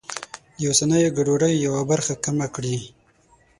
د اوسنیو ګډوډیو یوه برخه کمه کړي.